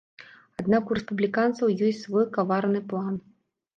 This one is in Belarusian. Аднак у рэспубліканцаў ёсць свой каварны план.